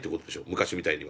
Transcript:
昔みたいには。